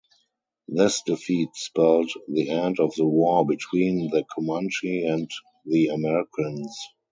This defeat spelled the end of the war between the Comanche and the Americans.